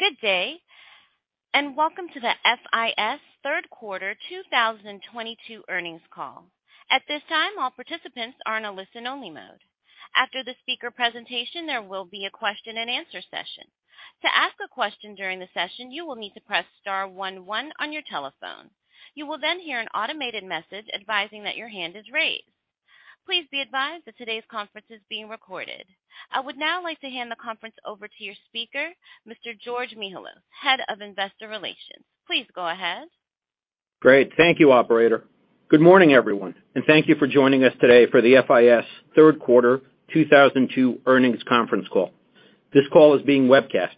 Good day, and welcome to the FIS third quarter 2022 earnings call. At this time, all participants are in a listen-only mode. After the speaker presentation, there will be a question-and-answer session. To ask a question during the session, you will need to press star one one on your telephone. You will then hear an automated message advising that your hand is raised. Please be advised that today's conference is being recorded. I would now like to hand the conference over to your speaker, Mr. George Mihalos, Head of Investor Relations. Please go ahead. Great. Thank you, operator. Good morning, everyone, and thank you for joining us today for the FIS third quarter 2022 earnings conference call. This call is being webcast.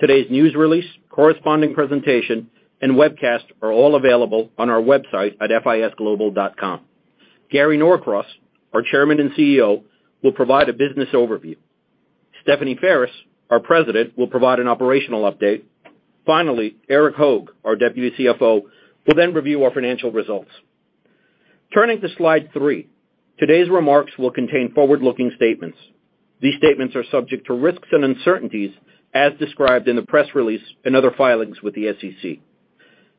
Today's news release, corresponding presentation, and webcast are all available on our website at fisglobal.com. Gary Norcross, our Chairman and CEO, will provide a business overview. Stephanie Ferris, our President, will provide an operational update. Finally, Erik Hoag, our Deputy CFO, will then review our financial results. Turning to slide three, today's remarks will contain forward-looking statements. These statements are subject to risks and uncertainties as described in the press release and other filings with the SEC.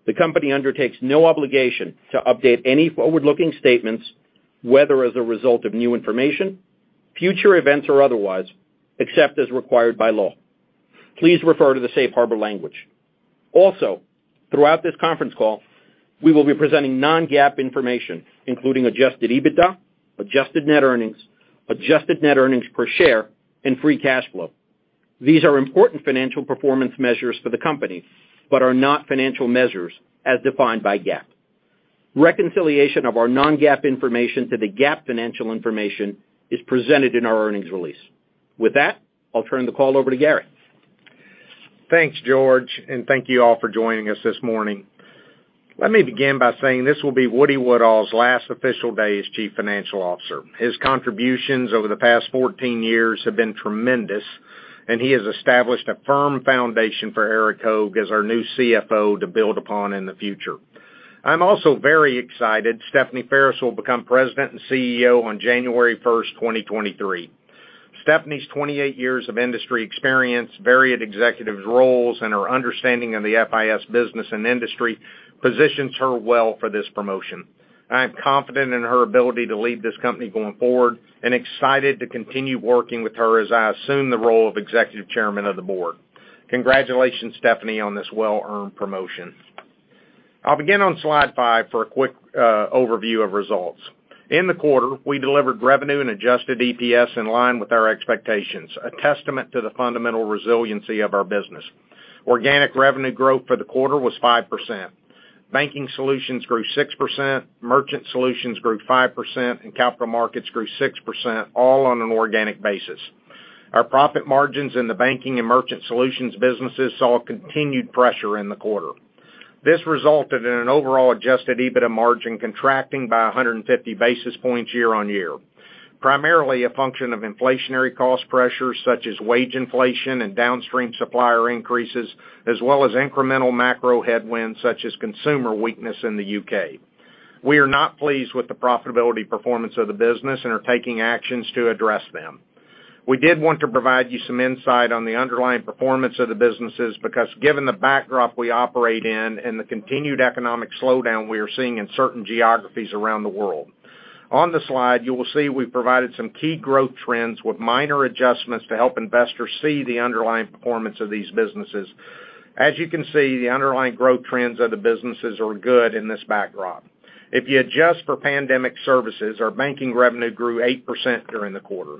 The company undertakes no obligation to update any forward-looking statements, whether as a result of new information, future events, or otherwise, except as required by law. Please refer to the safe harbor language. Also, throughout this conference call, we will be presenting non-GAAP information, including adjusted EBITDA, adjusted net earnings, adjusted net earnings per share, and free cash flow. These are important financial performance measures for the company, but are not financial measures as defined by GAAP. Reconciliation of our non-GAAP information to the GAAP financial information is presented in our earnings release. With that, I'll turn the call over to Gary. Thanks, George, and thank you all for joining us this morning. Let me begin by saying this will be Woody Woodall's last official day as Chief Financial Officer. His contributions over the past 14 years have been tremendous, and he has established a firm foundation for Erik Hoag as our new CFO to build upon in the future. I'm also very excited Stephanie Ferris will become President and CEO on January 1, 2023. Stephanie's 28 years of industry experience, varied executive roles, and her understanding of the FIS business and industry positions her well for this promotion. I am confident in her ability to lead this company going forward and excited to continue working with her as I assume the role of Executive Chairman of the Board. Congratulations, Stephanie, on this well-earned promotion. I'll begin on slide five for a quick overview of results. In the quarter, we delivered revenue and adjusted EPS in line with our expectations, a testament to the fundamental resiliency of our business. Organic revenue growth for the quarter was 5%. Banking Solutions grew 6%, Merchant Solutions grew 5%, and Capital Market Solutions grew 6%, all on an organic basis. Our profit margins in the Banking Solutions and Merchant Solutions businesses saw continued pressure in the quarter. This resulted in an overall adjusted EBITDA margin contracting by 150 basis points year-on-year, primarily a function of inflationary cost pressures such as wage inflation and downstream supplier increases, as well as incremental macro headwinds such as consumer weakness in the U.K. We are not pleased with the profitability performance of the business and are taking actions to address them. We did want to provide you some insight on the underlying performance of the businesses because given the backdrop we operate in and the continued economic slowdown we are seeing in certain geographies around the world. On the slide, you will see we provided some key growth trends with minor adjustments to help investors see the underlying performance of these businesses. As you can see, the underlying growth trends of the businesses are good in this backdrop. If you adjust for pandemic services, our banking revenue grew 8% during the quarter.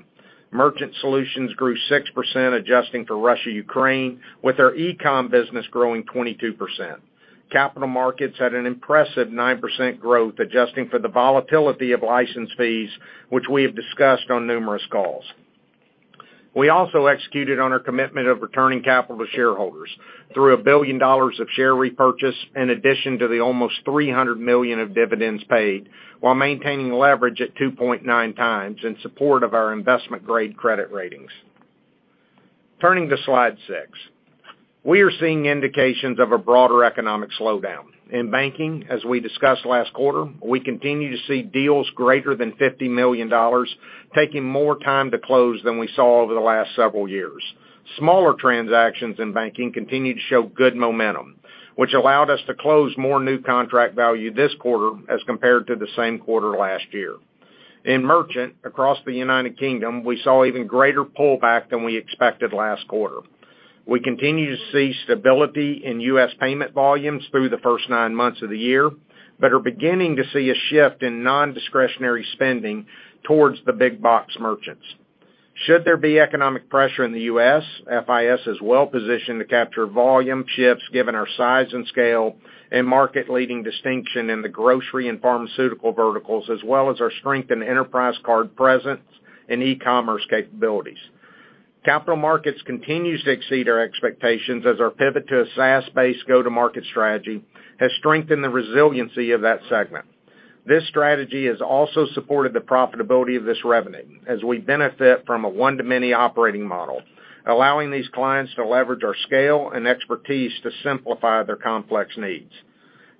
Merchant Solutions grew 6%, adjusting for Russia/Ukraine, with our e-com business growing 22%. Capital Markets had an impressive 9% growth, adjusting for the volatility of license fees, which we have discussed on numerous calls. We also executed on our commitment of returning capital to shareholders through $1 billion of share repurchase, in addition to the almost $300 million of dividends paid, while maintaining leverage at 2.9 times in support of our investment-grade credit ratings. Turning to slide six. We are seeing indications of a broader economic slowdown. In banking, as we discussed last quarter, we continue to see deals greater than $50 million taking more time to close than we saw over the last several years. Smaller transactions in banking continue to show good momentum, which allowed us to close more new contract value this quarter as compared to the same quarter last year. In merchant, across the United Kingdom, we saw even greater pullback than we expected last quarter. We continue to see stability in U.S. payment volumes through the first nine months of the year, but are beginning to see a shift in nondiscretionary spending towards the big box merchants. Should there be economic pressure in the U.S., FIS is well positioned to capture volume shifts given our size and scale and market-leading distinction in the grocery and pharmaceutical verticals, as well as our strength in enterprise card presence and e-commerce capabilities. Capital Markets continues to exceed our expectations as our pivot to a SaaS-based go-to-market strategy has strengthened the resiliency of that segment. This strategy has also supported the profitability of this revenue as we benefit from a one-to-many operating model, allowing these clients to leverage our scale and expertise to simplify their complex needs.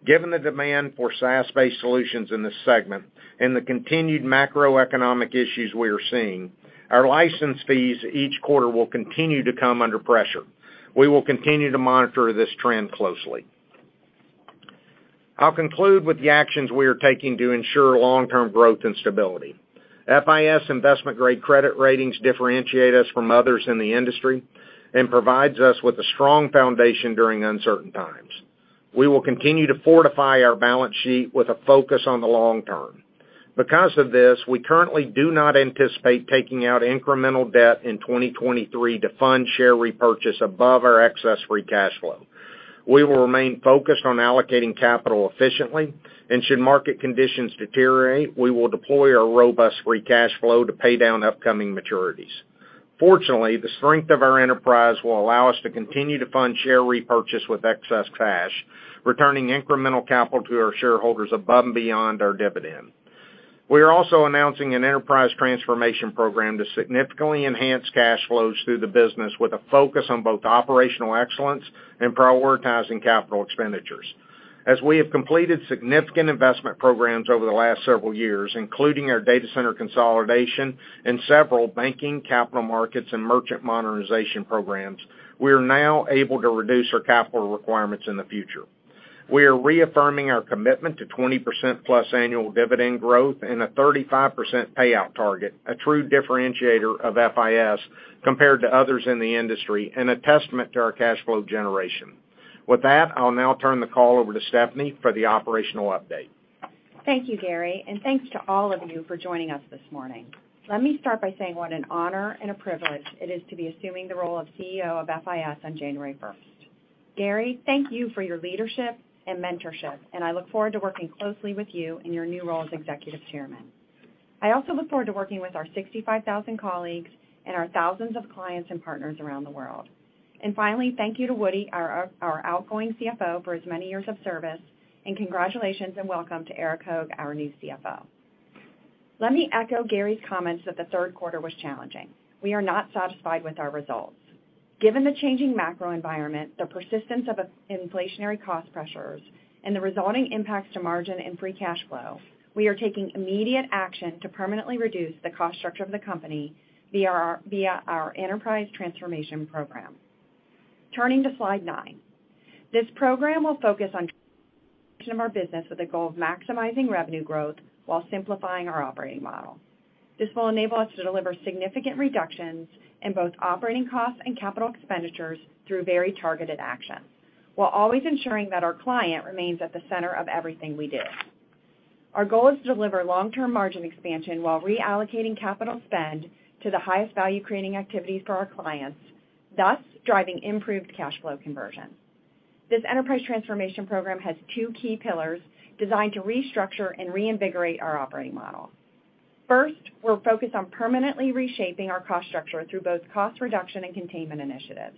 Given the demand for SaaS-based solutions in this segment and the continued macroeconomic issues we are seeing, our license fees each quarter will continue to come under pressure. We will continue to monitor this trend closely. I'll conclude with the actions we are taking to ensure long-term growth and stability. FIS investment-grade credit ratings differentiate us from others in the industry and provides us with a strong foundation during uncertain times. We will continue to fortify our balance sheet with a focus on the long term. Because of this, we currently do not anticipate taking out incremental debt in 2023 to fund share repurchase above our excess free cash flow. We will remain focused on allocating capital efficiently, and should market conditions deteriorate, we will deploy our robust free cash flow to pay down upcoming maturities. Fortunately, the strength of our enterprise will allow us to continue to fund share repurchase with excess cash, returning incremental capital to our shareholders above and beyond our dividend. We are also announcing an enterprise transformation program to significantly enhance cash flows through the business with a focus on both operational excellence and prioritizing capital expenditures. As we have completed significant investment programs over the last several years, including our data center consolidation and several banking, capital markets, and merchant modernization programs, we are now able to reduce our capital requirements in the future. We are reaffirming our commitment to 20%+ annual dividend growth and a 35% payout target, a true differentiator of FIS compared to others in the industry and a testament to our cash flow generation. With that, I'll now turn the call over to Stephanie for the operational update. Thank you, Gary, and thanks to all of you for joining us this morning. Let me start by saying what an honor and a privilege it is to be assuming the role of CEO of FIS on January 1st. Gary, thank you for your leadership and mentorship, and I look forward to working closely with you in your new role as Executive Chairman. I also look forward to working with our 65,000 colleagues and our thousands of clients and partners around the world. Finally, thank you to Woody, our outgoing CFO, for his many years of service, and congratulations and welcome to Erik Hoag, our new CFO. Let me echo Gary's comments that the third quarter was challenging. We are not satisfied with our results. Given the changing macro environment, the persistence of inflationary cost pressures, and the resulting impacts to margin and free cash flow, we are taking immediate action to permanently reduce the cost structure of the company via our enterprise transformation program. Turning to slide nine. This program will focus on transformation of our business with a goal of maximizing revenue growth while simplifying our operating model. This will enable us to deliver significant reductions in both operating costs and capital expenditures through very targeted action, while always ensuring that our client remains at the center of everything we do. Our goal is to deliver long-term margin expansion while reallocating capital spend to the highest value-creating activities for our clients, thus driving improved cash flow conversion. This enterprise transformation program has two key pillars designed to restructure and reinvigorate our operating model. First, we're focused on permanently reshaping our cost structure through both cost reduction and containment initiatives.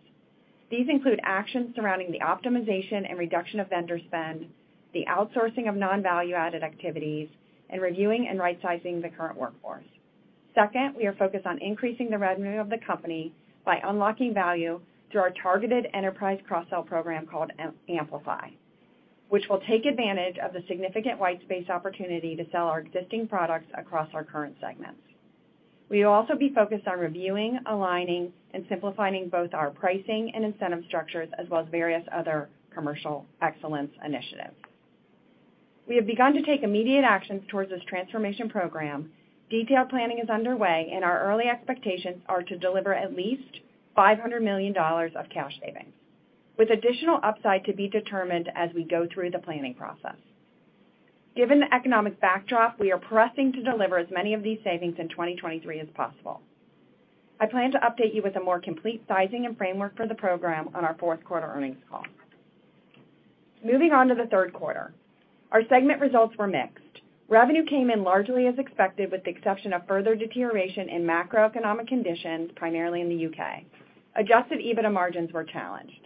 These include actions surrounding the optimization and reduction of vendor spend, the outsourcing of non-value-added activities, and reviewing and rightsizing the current workforce. Second, we are focused on increasing the revenue of the company by unlocking value through our targeted enterprise cross-sell program called Amplify, which will take advantage of the significant white space opportunity to sell our existing products across our current segments. We will also be focused on reviewing, aligning, and simplifying both our pricing and incentive structures as well as various other commercial excellence initiatives. We have begun to take immediate actions towards this transformation program. Detailed planning is underway, and our early expectations are to deliver at least $500 million of cash savings, with additional upside to be determined as we go through the planning process. Given the economic backdrop, we are pressing to deliver as many of these savings in 2023 as possible. I plan to update you with a more complete sizing and framework for the program on our fourth-quarter earnings call. Moving on to the third quarter. Our segment results were mixed. Revenue came in largely as expected, with the exception of further deterioration in macroeconomic conditions, primarily in the U.K. Adjusted EBITDA margins were challenged.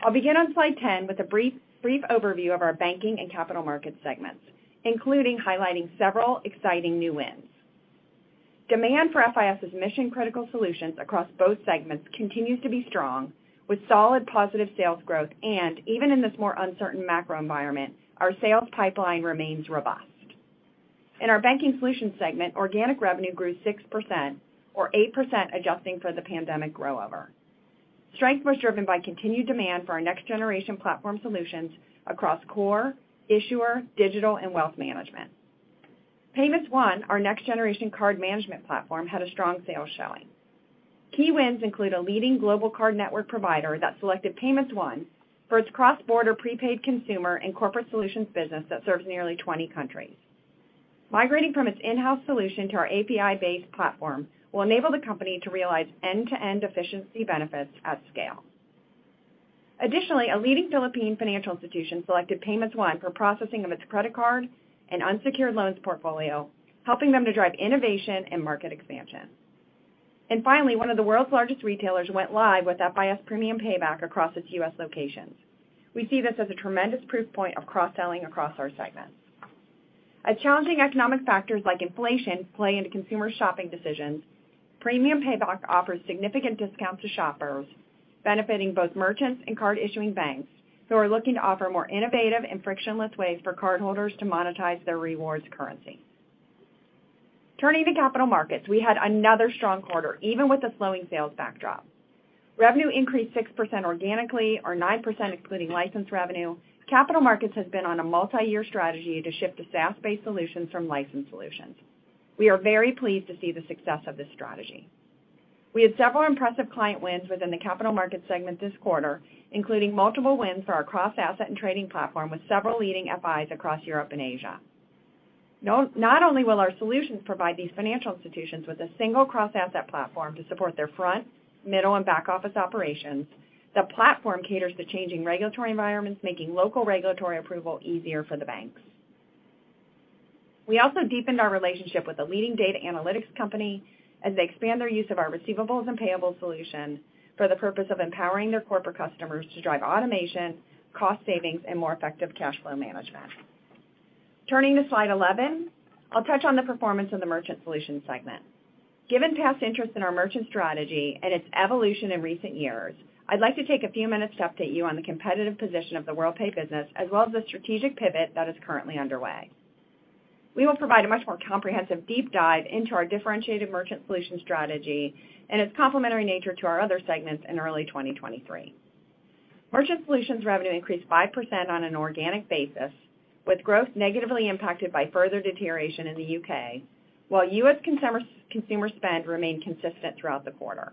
I'll begin on slide 10 with a brief overview of our Banking Solutions and Capital Markets segments, including highlighting several exciting new wins. Demand for FIS's mission-critical solutions across both segments continues to be strong, with solid positive sales growth and, even in this more uncertain macro environment, our sales pipeline remains robust. In our Banking Solutions segment, organic revenue grew 6% or 8% adjusting for the pandemic rollover. Strength was driven by continued demand for our next-generation platform solutions across core, issuer, digital, and wealth management. Payments One, our next-generation card management platform, had a strong sales showing. Key wins include a leading global card network provider that selected Payments One for its cross-border prepaid consumer and corporate solutions business that serves nearly 20 countries. Migrating from its in-house solution to our API-based platform will enable the company to realize end-to-end efficiency benefits at scale. Additionally, a leading Philippine financial institution selected Payments One for processing of its credit card and unsecured loans portfolio, helping them to drive innovation and market expansion. Finally, one of the world's largest retailers went live with FIS Premium Payback across its U.S. locations. We see this as a tremendous proof point of cross-selling across our segments. A challenging economic factors like inflation play into consumer shopping decisions. Premium Payback offers significant discounts to shoppers, benefiting both merchants and card issuing banks who are looking to offer more innovative and frictionless ways for cardholders to monetize their rewards currency. Turning to Capital Markets, we had another strong quarter, even with the slowing sales backdrop. Revenue increased 6% organically, or 9% including license revenue. Capital Markets has been on a multi-year strategy to shift to SaaS-based solutions from licensed solutions. We are very pleased to see the success of this strategy. We had several impressive client wins within the Capital Markets segment this quarter, including multiple wins for our cross-asset and trading platform with several leading FIS across Europe and Asia. Not only will our solutions provide these financial institutions with a single cross-asset platform to support their front, middle, and back-office operations. The platform caters to changing regulatory environments, making local regulatory approval easier for the banks. We also deepened our relationship with a leading data analytics company as they expand their use of our receivables and payables solution for the purpose of empowering their corporate customers to drive automation, cost savings, and more effective cash flow management. Turning to slide 11, I'll touch on the performance of the Merchant Solutions segment. Given past interest in our merchant strategy and its evolution in recent years, I'd like to take a few minutes to update you on the competitive position of the Worldpay business, as well as the strategic pivot that is currently underway. We will provide a much more comprehensive deep dive into our differentiated Merchant Solutions strategy and its complementary nature to our other segments in early 2023. Merchant Solutions revenue increased 5% on an organic basis, with growth negatively impacted by further deterioration in the U.K., while U.S. consumer spend remained consistent throughout the quarter.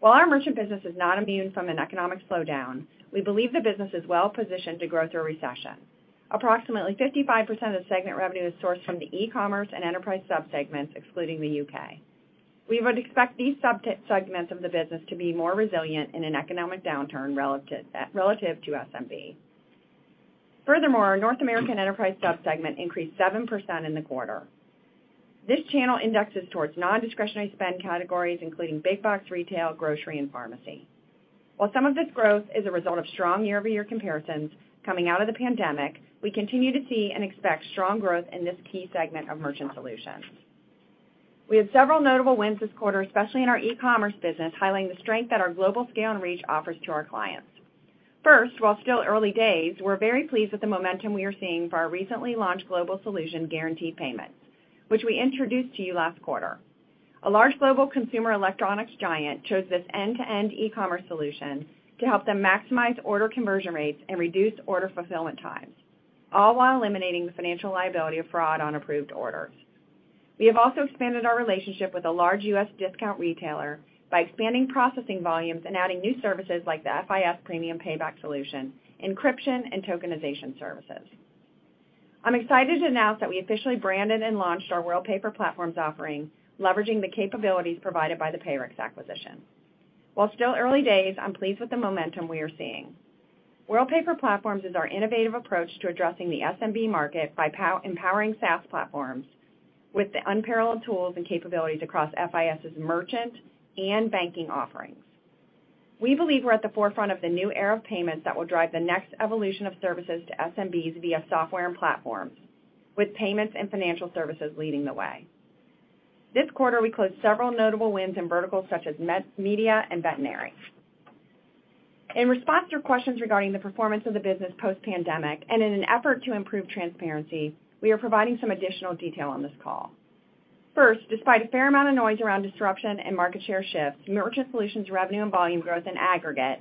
While our Merchant Solutions business is not immune from an economic slowdown, we believe the business is well-positioned to grow through a recession. Approximately 55% of segment revenue is sourced from the e-commerce and enterprise sub-segments, excluding the U.K. We would expect these sub-segments of the business to be more resilient in an economic downturn relative to SMB. Furthermore, our North American enterprise sub-segment increased 7% in the quarter. This channel indexes towards nondiscretionary spend categories, including big box retail, grocery, and pharmacy. While some of this growth is a result of strong year-over-year comparisons coming out of the pandemic, we continue to see and expect strong growth in this key segment of Merchant Solutions. We have several notable wins this quarter, especially in our e-commerce business, highlighting the strength that our global scale and reach offers to our clients. First, while still early days, we're very pleased with the momentum we are seeing for our recently launched global solution Guaranteed Payments, which we introduced to you last quarter. A large global consumer electronics giant chose this end-to-end e-commerce solution to help them maximize order conversion rates and reduce order fulfillment times, all while eliminating the financial liability of fraud on approved orders. We have also expanded our relationship with a large U.S. discount retailer by expanding processing volumes and adding new services like the FIS Premium Payback solution, encryption, and tokenization services. I'm excited to announce that we officially branded and launched our Worldpay for Platforms offering, leveraging the capabilities provided by the Payrix acquisition. While still early days, I'm pleased with the momentum we are seeing. Worldpay for Platforms is our innovative approach to addressing the SMB market by empowering SaaS platforms with the unparalleled tools and capabilities across FIS's merchant and banking offerings. We believe we're at the forefront of the new era of payments that will drive the next evolution of services to SMBs via software and platforms, with payments and financial services leading the way. This quarter, we closed several notable wins in verticals such as media and veterinary. In response to questions regarding the performance of the business post-pandemic and in an effort to improve transparency, we are providing some additional detail on this call. First, despite a fair amount of noise around disruption and market share shifts, Merchant Solutions revenue and volume growth in aggregate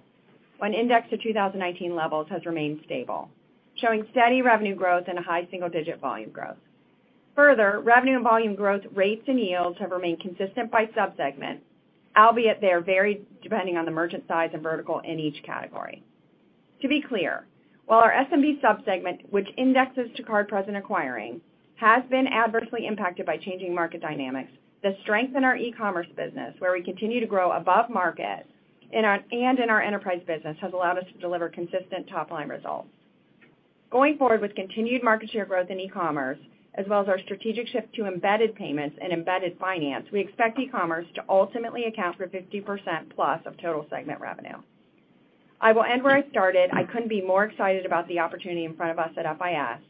when indexed to 2018 levels has remained stable, showing steady revenue growth and a high single-digit volume growth. Further, revenue and volume growth rates and yields have remained consistent by sub-segment, albeit they are varied depending on the merchant size and vertical in each category. To be clear, while our SMB sub-segment, which indexes to card present acquiring, has been adversely impacted by changing market dynamics, the strength in our e-commerce business, where we continue to grow above market in our enterprise business, has allowed us to deliver consistent top-line results. Going forward with continued market share growth in e-commerce, as well as our strategic shift to embedded payments and embedded finance, we expect e-commerce to ultimately account for 50%+ of total segment revenue. I will end where I started. I couldn't be more excited about the opportunity in front of us at FIS.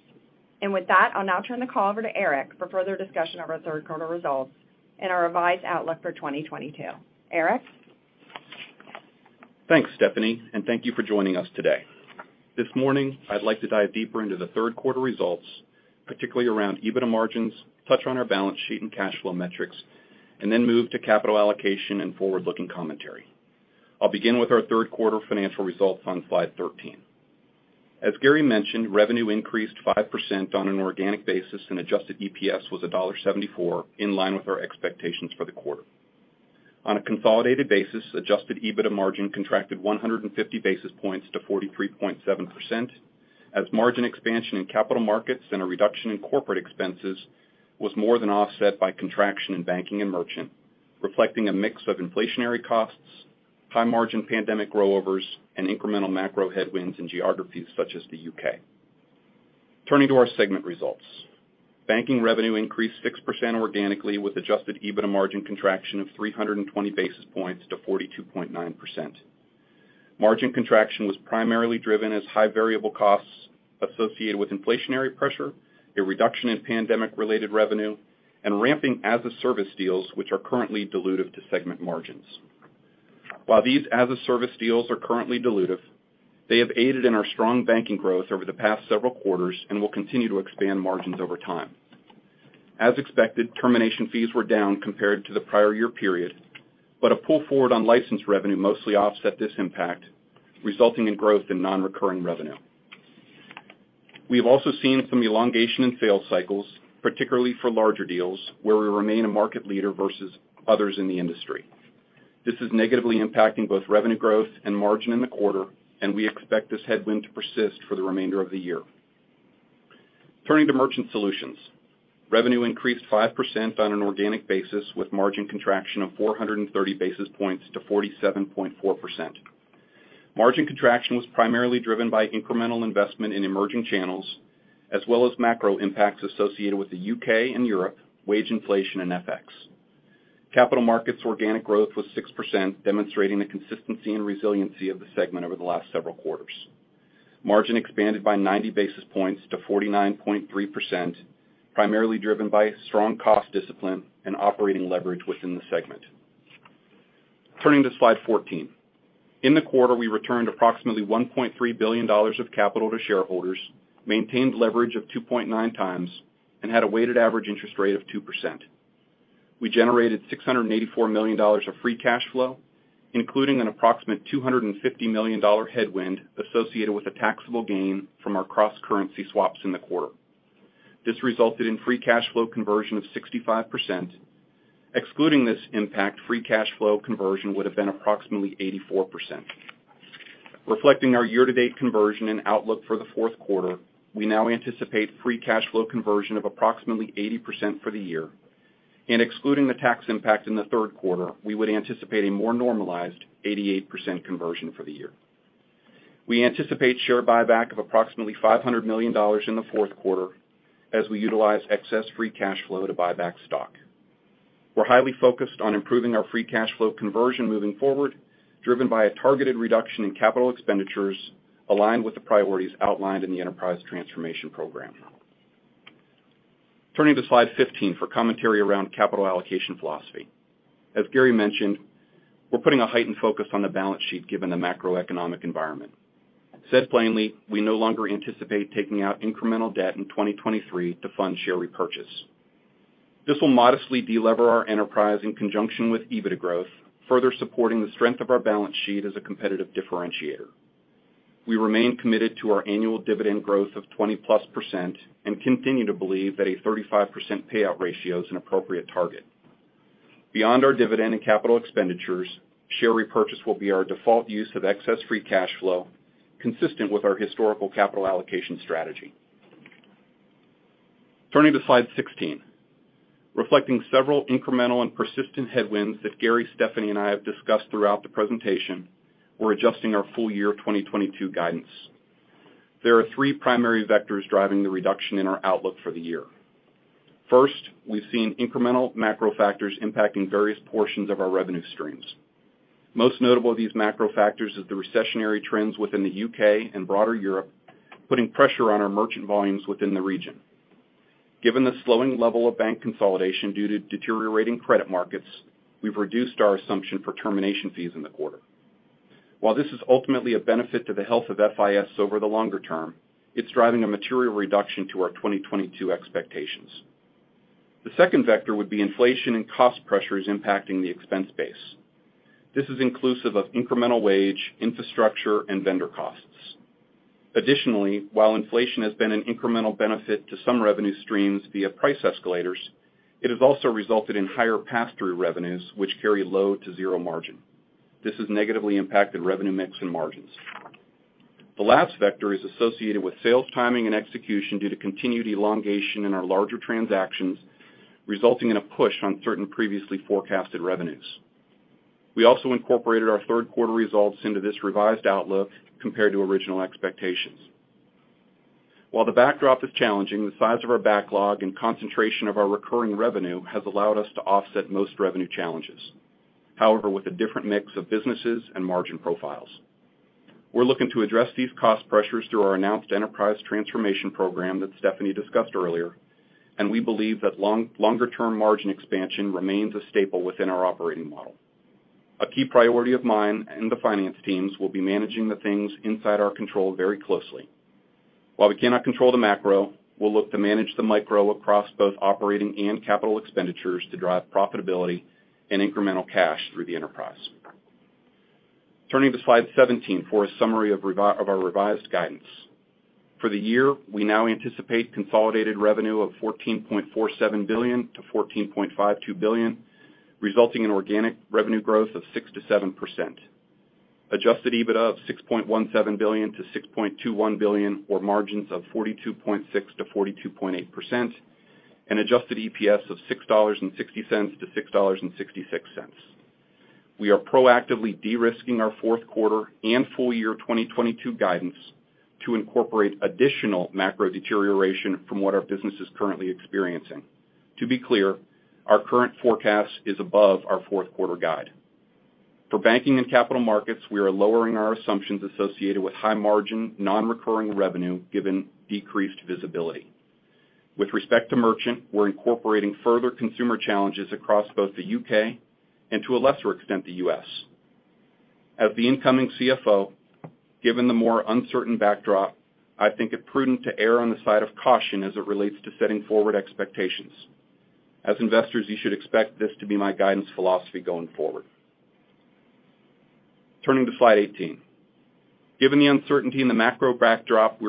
With that, I'll now turn the call over to Erik for further discussion of our third quarter results and our revised outlook for 2022. Erik? Thanks, Stephanie, and thank you for joining us today. This morning, I'd like to dive deeper into the third quarter results, particularly around EBITDA margins, touch on our balance sheet and cash flow metrics, and then move to capital allocation and forward-looking commentary. I'll begin with our third quarter financial results on slide 13. As Gary mentioned, revenue increased 5% on an organic basis, and adjusted EPS was $1.74, in line with our expectations for the quarter. On a consolidated basis, adjusted EBITDA margin contracted 150 basis points to 43.7% as margin expansion in capital markets and a reduction in corporate expenses was more than offset by contraction in banking and merchant, reflecting a mix of inflationary costs, high margin pandemic rollovers, and incremental macro headwinds in geographies such as the U.K. Turning to our segment results. Banking revenue increased 6% organically with adjusted EBITDA margin contraction of 320 basis points to 42.9%. Margin contraction was primarily driven by high variable costs associated with inflationary pressure, a reduction in pandemic-related revenue, and ramping as-a-service deals which are currently dilutive to segment margins. While these as-a-service deals are currently dilutive, they have aided in our strong banking growth over the past several quarters and will continue to expand margins over time. As expected, termination fees were down compared to the prior year period, but a pull forward on licensed revenue mostly offset this impact, resulting in growth in non-recurring revenue. We have also seen some elongation in sales cycles, particularly for larger deals, where we remain a market leader versus others in the industry. This is negatively impacting both revenue growth and margin in the quarter, and we expect this headwind to persist for the remainder of the year. Turning to Merchant Solutions. Revenue increased 5% on an organic basis, with margin contraction of 430 basis points to 47.4%. Margin contraction was primarily driven by incremental investment in emerging channels, as well as macro impacts associated with the U.K. and Europe, wage inflation, and FX. Capital markets organic growth was 6%, demonstrating the consistency and resiliency of the segment over the last several quarters. Margin expanded by 90 basis points to 49.3%, primarily driven by strong cost discipline and operating leverage within the segment. Turning to slide 14. In the quarter, we returned approximately $1.3 billion of capital to shareholders, maintained leverage of 2.9 times, and had a weighted average interest rate of 2%. We generated $684 million of free cash flow, including an approximate $250 million headwind associated with a taxable gain from our cross-currency swaps in the quarter. This resulted in free cash flow conversion of 65%. Excluding this impact, free cash flow conversion would have been approximately 84%. Reflecting our year-to-date conversion and outlook for the fourth quarter, we now anticipate free cash flow conversion of approximately 80% for the year. Excluding the tax impact in the third quarter, we would anticipate a more normalized 88% conversion for the year. We anticipate share buyback of approximately $500 million in the fourth quarter as we utilize excess free cash flow to buy back stock. We're highly focused on improving our free cash flow conversion moving forward, driven by a targeted reduction in capital expenditures aligned with the priorities outlined in the enterprise transformation program. Turning to slide 15 for commentary around capital allocation philosophy. As Gary mentioned, we're putting a heightened focus on the balance sheet given the macroeconomic environment. Said plainly, we no longer anticipate taking out incremental debt in 2023 to fund share repurchase. This will modestly delever our enterprise in conjunction with EBITDA growth, further supporting the strength of our balance sheet as a competitive differentiator. We remain committed to our annual dividend growth of 20+% and continue to believe that a 35% payout ratio is an appropriate target. Beyond our dividend and capital expenditures, share repurchase will be our default use of excess free cash flow, consistent with our historical capital allocation strategy. Turning to slide 16. Reflecting several incremental and persistent headwinds that Gary, Stephanie, and I have discussed throughout the presentation, we're adjusting our full year 2022 guidance. There are three primary vectors driving the reduction in our outlook for the year. First, we've seen incremental macro factors impacting various portions of our revenue streams. Most notable of these macro factors is the recessionary trends within the U.K. and broader Europe, putting pressure on our merchant volumes within the region. Given the slowing level of bank consolidation due to deteriorating credit markets, we've reduced our assumption for termination fees in the quarter. While this is ultimately a benefit to the health of FIS over the longer term, it's driving a material reduction to our 2022 expectations. The second vector would be inflation and cost pressures impacting the expense base. This is inclusive of incremental wage, infrastructure, and vendor costs. Additionally, while inflation has been an incremental benefit to some revenue streams via price escalators, it has also resulted in higher pass-through revenues which carry low to zero margin. This has negatively impacted revenue mix and margins. The last vector is associated with sales timing and execution due to continued elongation in our larger transactions, resulting in a push on certain previously forecasted revenues. We also incorporated our third quarter results into this revised outlook compared to original expectations. While the backdrop is challenging, the size of our backlog and concentration of our recurring revenue has allowed us to offset most revenue challenges, however, with a different mix of businesses and margin profiles. We're looking to address these cost pressures through our announced enterprise transformation program that Stephanie discussed earlier, and we believe that longer term margin expansion remains a staple within our operating model. A key priority of mine and the finance teams will be managing the things inside our control very closely. While we cannot control the macro, we'll look to manage the micro across both operating and capital expenditures to drive profitability and incremental cash through the enterprise. Turning to slide 17 for a summary of our revised guidance. For the year, we now anticipate consolidated revenue of $14.47 billion-$14.52 billion, resulting in organic revenue growth of 6%-7%. Adjusted EBITDA of $6.17 billion-$6.21 billion, or margins of 42.6%-42.8%, and adjusted EPS of $6.60-$6.66. We are proactively de-risking our fourth quarter and full year 2022 guidance to incorporate additional macro deterioration from what our business is currently experiencing. To be clear, our current forecast is above our fourth quarter guide. For banking and capital markets, we are lowering our assumptions associated with high margin, non-recurring revenue given decreased visibility. With respect to merchant, we're incorporating further consumer challenges across both the U.K. and to a lesser extent, the U.S. As the incoming CFO, given the more uncertain backdrop, I think it prudent to err on the side of caution as it relates to setting forward expectations. As investors, you should expect this to be my guidance philosophy going forward. Turning to slide 18. Given the uncertainty in the macro backdrop, we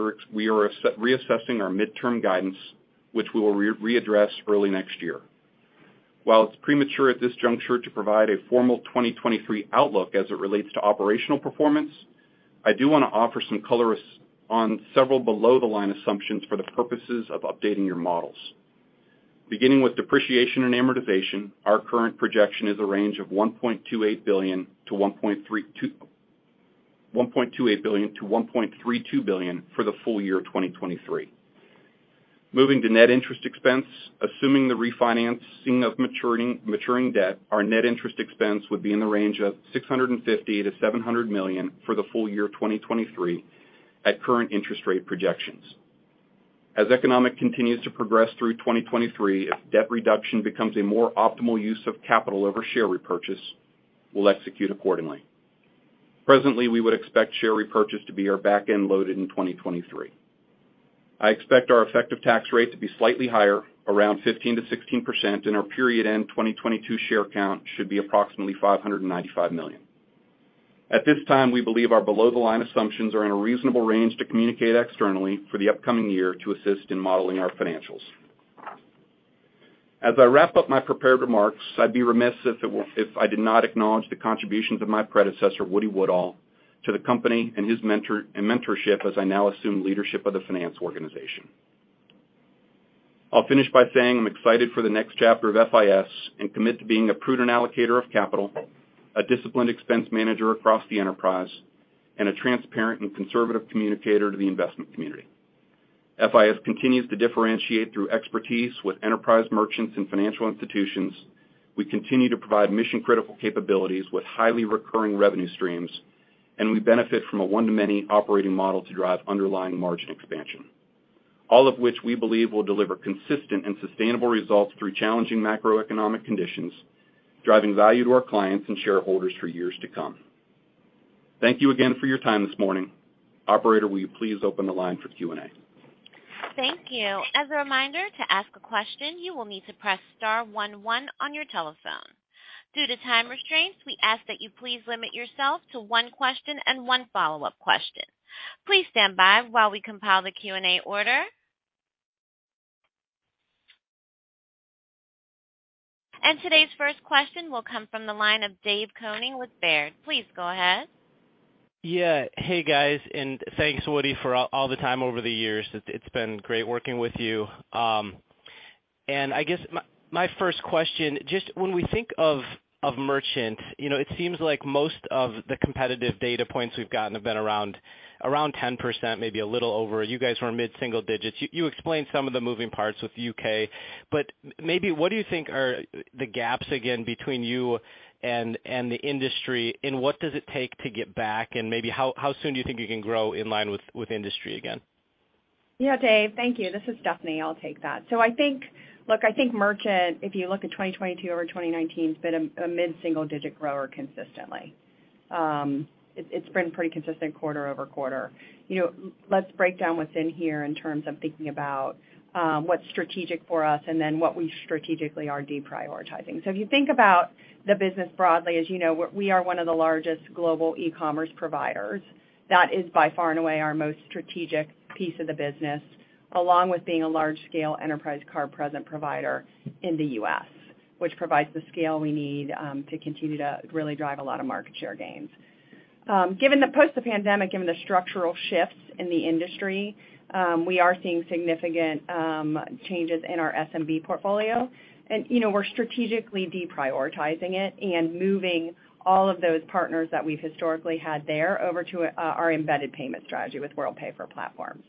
are reassessing our midterm guidance, which we will readdress early next year. While it's premature at this juncture to provide a formal 2023 outlook as it relates to operational performance, I do wanna offer some color on several below-the-line assumptions for the purposes of updating your models. Beginning with depreciation and amortization, our current projection is a range of $1.28 billion-$1.32 billion for the full year of 2023. Moving to net interest expense, assuming the refinancing of maturing debt, our net interest expense would be in the range of $650 million-$700 million for the full year of 2023 at current interest rate projections. As the economy continues to progress through 2023, if debt reduction becomes a more optimal use of capital over share repurchase, we'll execute accordingly. Presently, we would expect share repurchase to be our back-end loaded in 2023. I expect our effective tax rate to be slightly higher, around 15%-16%, and our period-end 2022 share count should be approximately 595 million. At this time, we believe our below-the-line assumptions are in a reasonable range to communicate externally for the upcoming year to assist in modeling our financials. As I wrap up my prepared remarks, I'd be remiss if I did not acknowledge the contributions of my predecessor, Woody Woodall, to the company and his mentorship as I now assume leadership of the finance organization. I'll finish by saying I'm excited for the next chapter of FIS and commit to being a prudent allocator of capital, a disciplined expense manager across the enterprise, and a transparent and conservative communicator to the investment community. FIS continues to differentiate through expertise with enterprise merchants and financial institutions. We continue to provide mission-critical capabilities with highly recurring revenue streams, and we benefit from a one-to-many operating model to drive underlying margin expansion. All of which we believe will deliver consistent and sustainable results through challenging macroeconomic conditions, driving value to our clients and shareholders for years to come. Thank you again for your time this morning. Operator, will you please open the line for Q&A? Thank you. As a reminder, to ask a question, you will need to press star one one on your telephone. Due to time restraints, we ask that you please limit yourself to one question and one follow-up question. Please stand by while we compile the Q&A order. Today's first question will come from the line of David Koning with Baird. Please go ahead. Yeah. Hey, guys, and thanks, Woody, for all the time over the years. It's been great working with you. I guess my first question, just when we think of merchant, you know, it seems like most of the competitive data points we've gotten have been around 10%, maybe a little over. You guys were mid-single digits%. You explained some of the moving parts with U.K. Maybe what do you think are the gaps again between you and the industry, and what does it take to get back, and maybe how soon do you think you can grow in line with industry again? Yeah, Dave. Thank you. This is Stephanie. I'll take that. I think, look, I think merchant, if you look at 2022 over 2019, has been a mid-single-digit grower consistently. It's been pretty consistent quarter-over-quarter. You know, let's break down what's in here in terms of thinking about what's strategic for us and then what we strategically are deprioritizing. If you think about the business broadly, as you know, we are one of the largest global e-commerce providers. That is by far and away our most strategic piece of the business, along with being a large-scale enterprise card-present provider in the U.S., which provides the scale we need to continue to really drive a lot of market share gains. Given the post-pandemic, given the structural shifts in the industry, we are seeing significant changes in our SMB portfolio. You know, we're strategically deprioritizing it and moving all of those partners that we've historically had there over to our embedded payment strategy with Worldpay for Platforms.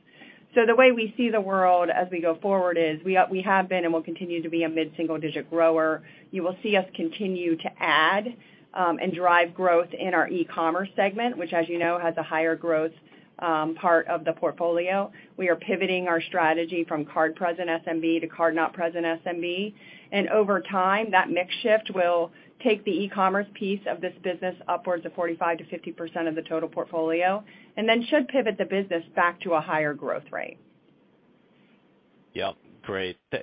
The way we see the world as we go forward is we have been and will continue to be a mid-single-digit grower. You will see us continue to add and drive growth in our e-commerce segment, which as you know, has a higher growth part of the portfolio. We are pivoting our strategy from card-present SMB to card-not-present SMB. Over time, that mix shift will take the e-commerce piece of this business upwards of 45%-50% of the total portfolio, and then should pivot the business back to a higher growth rate.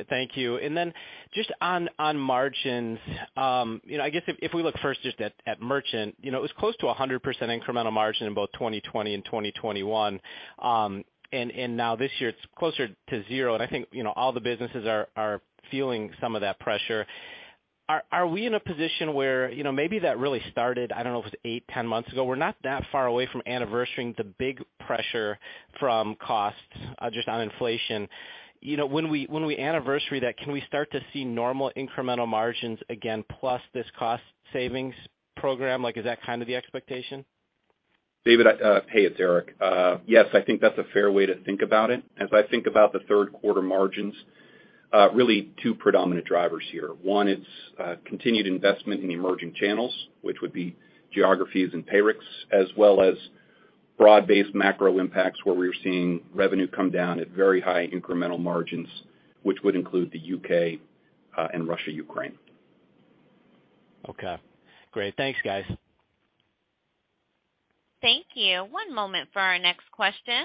Thank you. Then just on margins, you know, I guess if we look first just at merchant, you know, it was close to 100% incremental margin in both 2020 and 2021. Now this year it's closer to zero, and I think, you know, all the businesses are feeling some of that pressure. Are we in a position where, you know, maybe that really started, I don't know if it's 8-10 months ago. We're not that far away from anniversarying the big pressure from costs, just on inflation. You know, when we anniversary that, can we start to see normal incremental margins again, plus this cost savings program? Like, is that kind of the expectation? David, hey, it's Erik. Yes, I think that's a fair way to think about it. As I think about the third quarter margins, really two predominant drivers here. One, it's continued investment in emerging channels, which would be geographies and Payrix, as well as broad-based macro impacts where we're seeing revenue come down at very high incremental margins, which would include the U.K. and Russia, Ukraine. Okay, great. Thanks, guys. Thank you. One moment for our next question.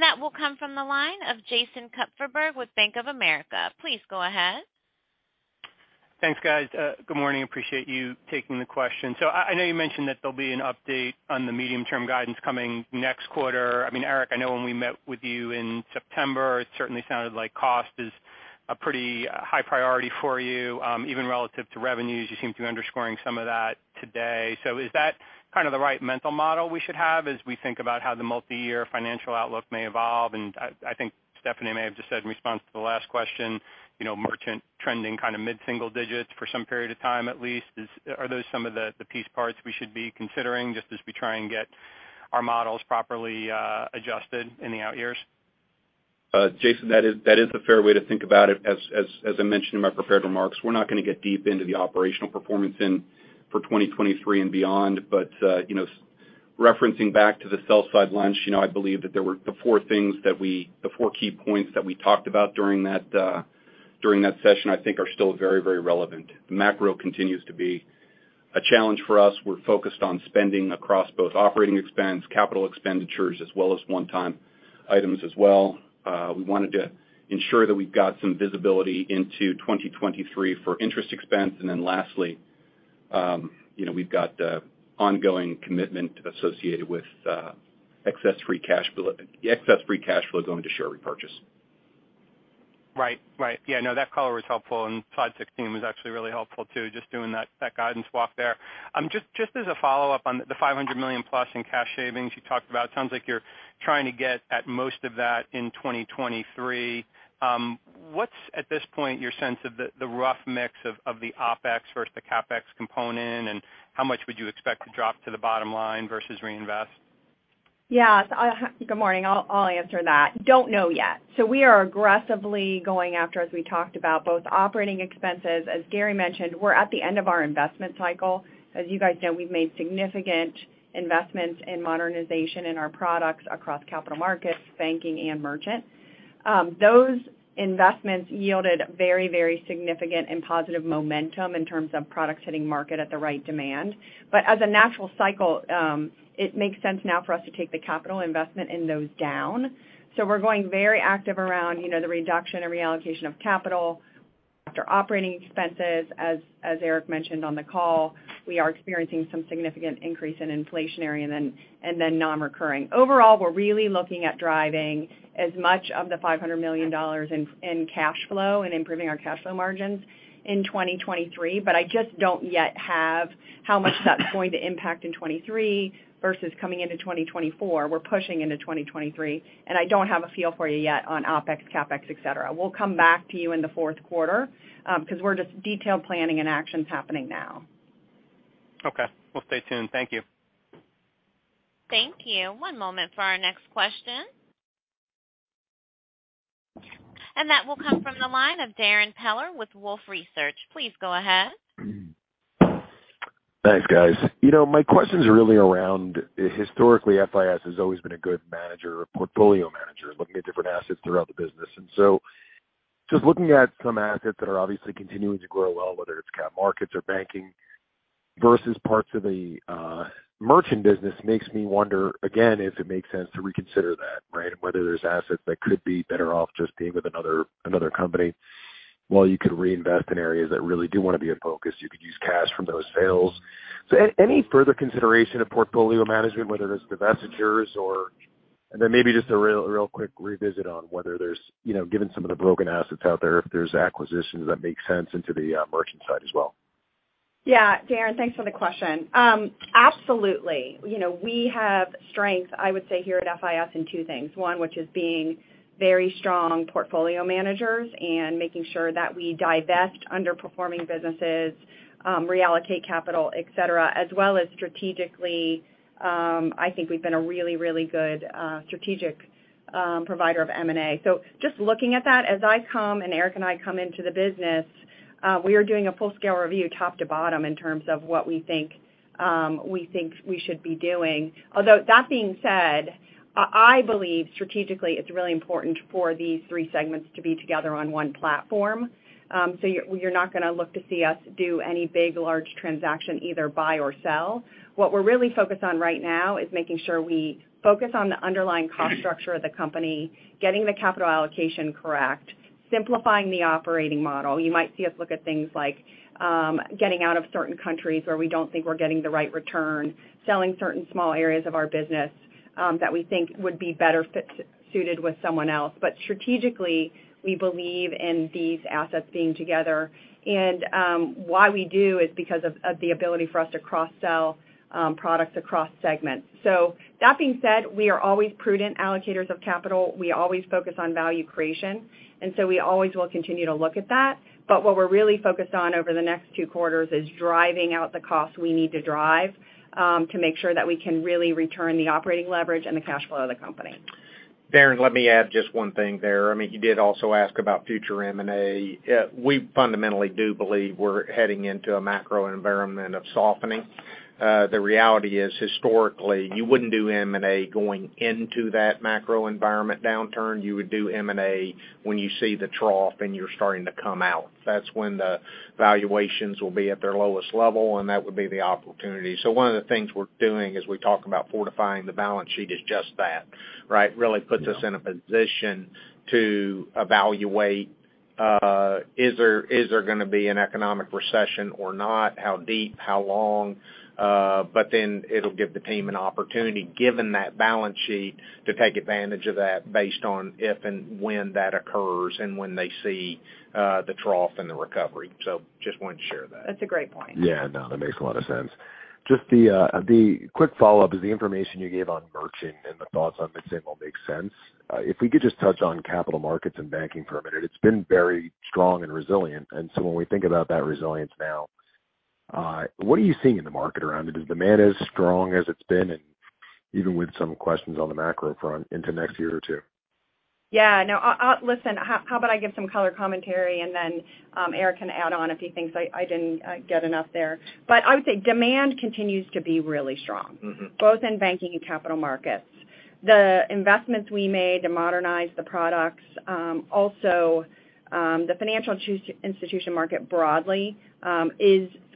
That will come from the line of Jason Kupferberg with Bank of America. Please go ahead. Thanks, guys. Good morning. Appreciate you taking the question. I know you mentioned that there'll be an update on the medium-term guidance coming next quarter. I mean, Erik, I know when we met with you in September, it certainly sounded like cost is a pretty high priority for you, even relative to revenues. You seem to be underscoring some of that today. Is that kind of the right mental model we should have as we think about how the multiyear financial outlook may evolve? I think Stephanie may have just said in response to the last question, you know, merchant trending kind of mid-single digits for some period of time at least. Are those some of the piece parts we should be considering just as we try and get our models properly adjusted in the out years? Jason, that is a fair way to think about it. As I mentioned in my prepared remarks, we're not gonna get deep into the operational performance in for 2023 and beyond. You know, referencing back to the sell-side lunch, you know, I believe that the four key points that we talked about during that session, I think are still very, very relevant. Macro continues to be a challenge for us. We're focused on spending across both operating expense, capital expenditures, as well as one-time items as well. We wanted to ensure that we've got some visibility into 2023 for interest expense. Then lastly, you know, we've got ongoing commitment associated with excess free cash flow going to share repurchase. Right. Yeah, no, that color was helpful, and slide 16 was actually really helpful too, just doing that guidance walk there. Just as a follow-up on the $500+ million in cash savings you talked about, sounds like you're trying to get at most of that in 2023. What's, at this point, your sense of the rough mix of the OpEx versus the CapEx component, and how much would you expect to drop to the bottom line versus reinvest? Good morning. I'll answer that. Don't know yet. We are aggressively going after, as we talked about, both operating expenses. As Gary mentioned, we're at the end of our investment cycle. As you guys know, we've made significant investments in modernization in our products across capital markets, banking and merchant. Those investments yielded very, very significant and positive momentum in terms of products hitting market at the right demand. As a natural cycle, it makes sense now for us to take the capital investment in those down. We're going very active around, you know, the reduction and reallocation of capital. After operating expenses, as Erik mentioned on the call, we are experiencing some significant increase in inflationary and then non-recurring. Overall, we're really looking at driving as much of the $500 million in cash flow and improving our cash flow margins in 2023, but I just don't yet have how much that's going to impact in 2023 versus coming into 2024. We're pushing into 2023, and I don't have a feel for you yet on OpEx, CapEx, et cetera. We'll come back to you in the fourth quarter, 'cause we're just detail planning and actions happening now. Okay. We'll stay tuned. Thank you. Thank you. One moment for our next question. That will come from the line of Darrin Peller with Wolfe Research. Please go ahead. Thanks, guys. You know, my question's really around historically FIS has always been a good manager or portfolio manager looking at different assets throughout the business. Just looking at some assets that are obviously continuing to grow well, whether it's Capital Markets or Banking versus parts of the Merchant business makes me wonder again if it makes sense to reconsider that, right? Whether there's assets that could be better off just being with another company while you could reinvest in areas that really do wanna be a focus, you could use cash from those sales. Any further consideration of portfolio management, whether it's divestitures or. Maybe just a real quick revisit on whether there's, you know, given some of the bolt-on assets out there, if there's acquisitions that make sense into the merchant side as well. Yeah. Darrin, thanks for the question. Absolutely. You know, we have strength, I would say, here at FIS in two things. One, which is being very strong portfolio managers and making sure that we divest underperforming businesses, reallocate capital, et cetera, as well as strategically, I think we've been a really, really good strategic provider of M&A. So just looking at that, as Erik and I come into the business, we are doing a full-scale review top to bottom in terms of what we think we should be doing. Although that being said, I believe strategically it's really important for these three segments to be together on one platform. So you're not gonna look to see us do any big large transaction, either buy or sell. What we're really focused on right now is making sure we focus on the underlying cost structure of the company, getting the capital allocation correct, simplifying the operating model. You might see us look at things like, getting out of certain countries where we don't think we're getting the right return, selling certain small areas of our business, that we think would be better suited with someone else. Strategically, we believe in these assets being together. Why we do is because of the ability for us to cross-sell products across segments. That being said, we are always prudent allocators of capital. We always focus on value creation, and so we always will continue to look at that. What we're really focused on over the next two quarters is driving out the cost we need to drive to make sure that we can really return the operating leverage and the cash flow of the company. Darrin, let me add just one thing there. I mean, you did also ask about future M&A. We fundamentally do believe we're heading into a macro environment of softening. The reality is, historically, you wouldn't do M&A going into that macro environment downturn. You would do M&A when you see the trough and you're starting to come out. That's when the valuations will be at their lowest level, and that would be the opportunity. One of the things we're doing is we talk about fortifying the balance sheet is just that, right? Really puts us in a position to evaluate, is there gonna be an economic recession or not? How deep, how long? It'll give the team an opportunity, given that balance sheet, to take advantage of that based on if and when that occurs and when they see the trough and the recovery. Just wanted to share that. That's a great point. Yeah. No, that makes a lot of sense. Just the quick follow-up is the information you gave on merchant and the thoughts on mid-single makes sense. If we could just touch on capital markets and banking for a minute, it's been very strong and resilient. When we think about that resilience now, what are you seeing in the market around it? Is demand as strong as it's been, and even with some questions on the macro front into next year or two? Yeah, no. Listen, how about I give some color commentary, and then, Erik can add on if he thinks I didn't get enough there. But I would say demand continues to be really strong. Mm-hmm... both in Banking and Capital Markets. The investments we made to modernize the products, also, the financial institution market broadly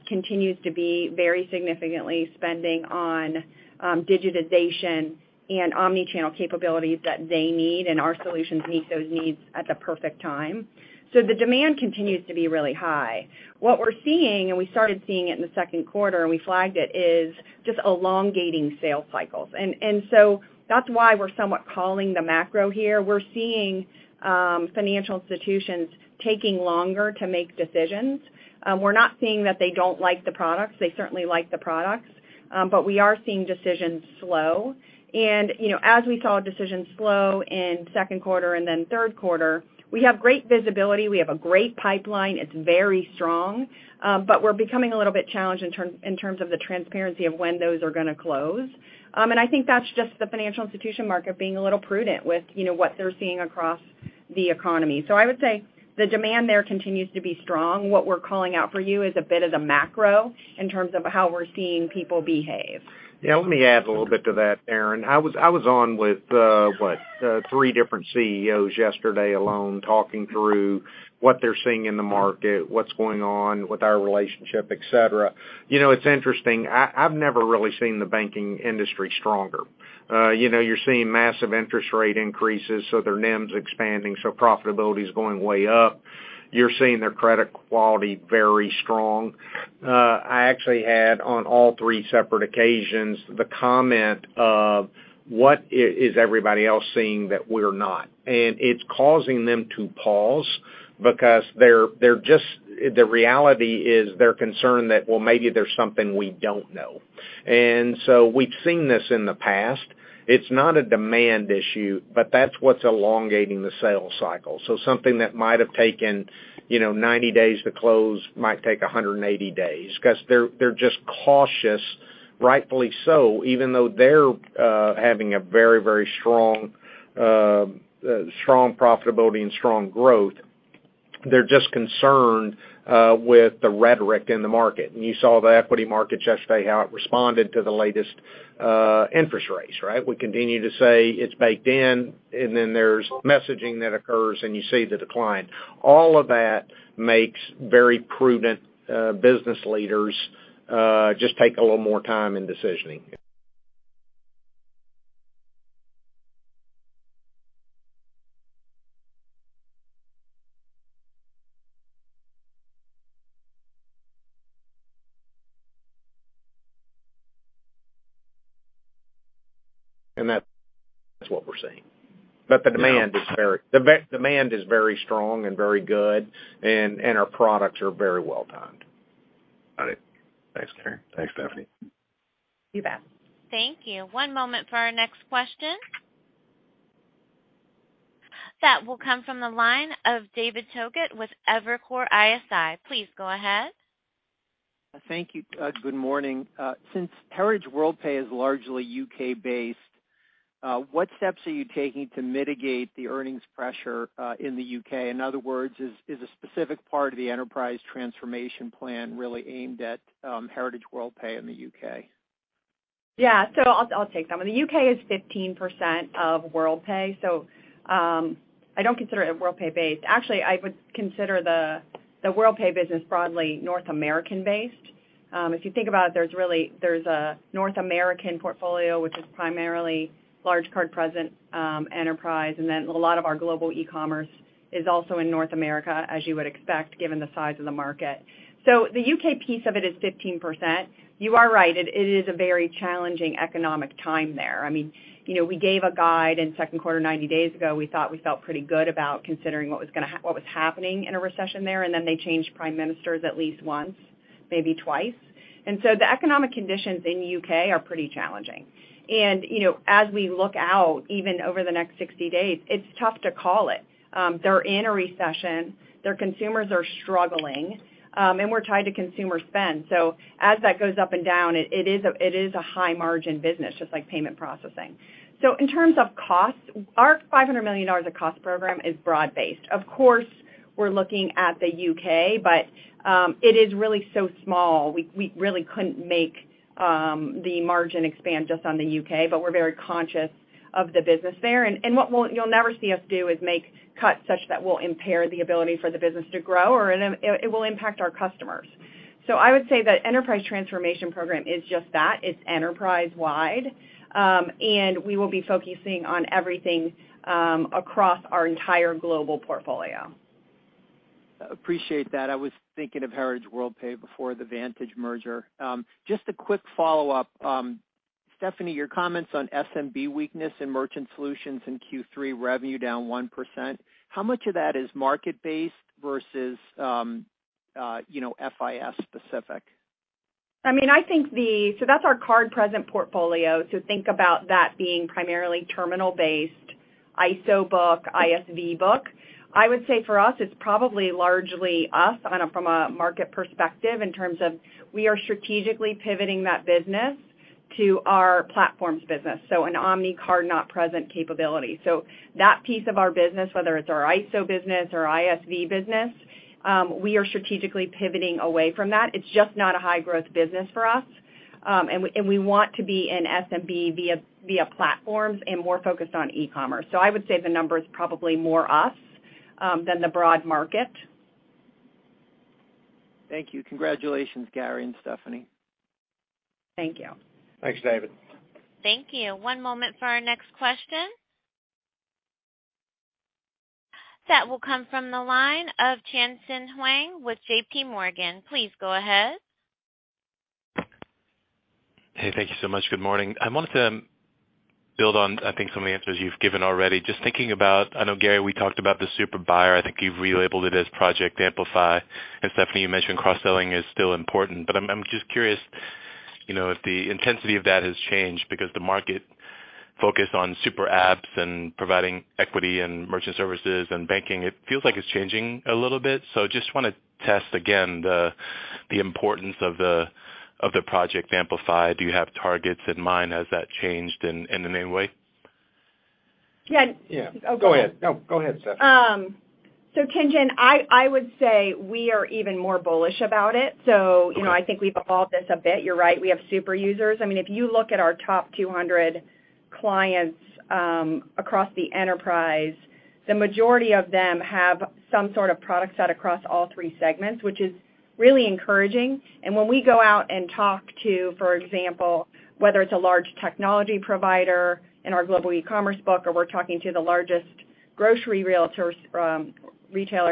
continues to be very significant spending on digitization and omni-channel capabilities that they need, and our solutions meet those needs at the perfect time. The demand continues to be really high. What we're seeing, and we started seeing it in the second quarter and we flagged it, is just elongating sales cycles. That's why we're somewhat calling the macro here. We're seeing financial institutions taking longer to make decisions. We're not seeing that they don't like the products. They certainly like the products, but we are seeing decisions slow. You know, as we saw decisions slow in second quarter and then third quarter, we have great visibility. We have a great pipeline. It's very strong, but we're becoming a little bit challenged in terms of the transparency of when those are gonna close. I think that's just the financial institution market being a little prudent with, you know, what they're seeing across the economy. I would say the demand there continues to be strong. What we're calling out for you is a bit of the macro in terms of how we're seeing people behave. Yeah, let me add a little bit to that, Darrin. I was on with three different CEOs yesterday alone, talking through what they're seeing in the market, what's going on with our relationship, et cetera. You know, it's interesting. I've never really seen the banking industry stronger. You know, you're seeing massive interest rate increases, so their NIM's expanding, so profitability's going way up. You're seeing their credit quality very strong. I actually had on all three separate occasions the comment of, "What is everybody else seeing that we're not?" It's causing them to pause because they're just. The reality is they're concerned that, well, maybe there's something we don't know. We've seen this in the past. It's not a demand issue, but that's what's elongating the sales cycle. Something that might have taken, you know, 90 days to close might take 180 days 'cause they're just cautious, rightfully so. Even though they're having a very strong profitability and strong growth, they're just concerned with the rhetoric in the market. You saw the equity market yesterday, how it responded to the latest interest rates, right? We continue to say it's baked in, and then there's messaging that occurs, and you see the decline. All of that makes very prudent business leaders just take a little more time in decisioning. That's what we're seeing. The demand is very- Yeah. Demand is very strong and very good, and our products are very well timed. Got it. Thanks, Gary. Thanks, Stephanie. You bet. Thank you. One moment for our next question. That will come from the line of David Togut with Evercore ISI. Please go ahead. Thank you. Good morning. Since Heritage Worldpay is largely U.K.-based, what steps are you taking to mitigate the earnings pressure in the U.K.? In other words, is a specific part of the enterprise transformation plan really aimed at Heritage Worldpay in the U.K.? Yeah. I'll take that one. The U.K. is 15% of Worldpay, I don't consider it Worldpay based. Actually, I would consider the Worldpay business broadly North American based. If you think about it, there's a North American portfolio, which is primarily large card present enterprise, and then a lot of our global e-commerce is also in North America, as you would expect, given the size of the market. The U.K. piece of it is 15%. You are right. It is a very challenging economic time there. I mean, you know, we gave a guide in second quarter 90 days ago. We thought we felt pretty good about considering what was happening in a recession there, and then they changed prime ministers at least once, maybe twice. The economic conditions in the U.K. are pretty challenging. You know, as we look out, even over the next 60 days, it's tough to call it. They're in a recession, their consumers are struggling, and we're tied to consumer spend. As that goes up and down, it is a high margin business, just like payment processing. In terms of cost, our $500 million cost program is broad-based. Of course, we're looking at the U.K., but it is really so small. We really couldn't make the margin expand just on the U.K., but we're very conscious of the business there. You'll never see us do is make cuts such that will impair the ability for the business to grow, or it will impact our customers. I would say that enterprise transformation program is just that. It's enterprise-wide. We will be focusing on everything, across our entire global portfolio. Appreciate that. I was thinking of Heritage Worldpay before the Vantiv merger. Just a quick follow-up. Stephanie, your comments on SMB weakness in Merchant Solutions in Q3 revenue down 1%, how much of that is market-based versus, you know, FIS-specific? I mean, I think so that's our card-present portfolio. Think about that being primarily terminal-based ISO book, ISV book. I would say for us, it's probably largely U.S. from a market perspective in terms of we are strategically pivoting that business to our platforms business, so an omnichannel card-not-present capability. That piece of our business, whether it's our ISO business or ISV business, we are strategically pivoting away from that. It's just not a high-growth business for us. We want to be in SMB via platforms and more focused on e-commerce. I would say the number is probably more U.S. than the broad market. Thank you. Congratulations, Gary and Stephanie. Thank you. Thanks, David. Thank you. One moment for our next question. That will come from the line of Tien-Tsin Huang with JPMorgan. Please go ahead. Hey, thank you so much. Good morning. I wanted to build on, I think, some of the answers you've given already. Just thinking about, I know, Gary, we talked about the super buyer. I think you've relabeled it as Project Amplify. And Stephanie, you mentioned cross-selling is still important, but I'm just curious, you know, if the intensity of that has changed because the market focus on super apps and providing equity and merchant services and banking, it feels like it's changing a little bit. Just wanna test again the importance of the Project Amplify. Do you have targets in mind? Has that changed in any way? Yeah. Yeah. Go ahead. No, go ahead, Steph. Tien-Tsin, I would say we are even more bullish about it. Okay. You know, I think we've evolved this a bit. You're right, we have super users. I mean, if you look at our top 200 clients across the enterprise, the majority of them have some sort of product set across all three segments, which is really encouraging. When we go out and talk to, for example, whether it's a large technology provider in our global e-commerce book, or we're talking to the largest grocery retailer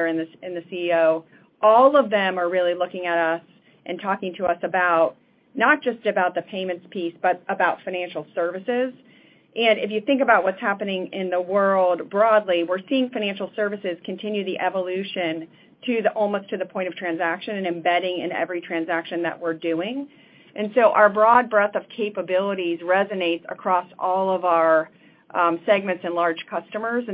and the CEO, all of them are really looking at us and talking to us about not just the payments piece, but about financial services. If you think about what's happening in the world broadly, we're seeing financial services continue the evolution to almost the point of transaction and embedding in every transaction that we're doing. Our broad breadth of capabilities resonates across all of our segments and large customers.